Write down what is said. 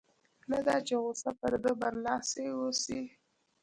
نه دا چې غوسه پر ده برلاسې اوسي.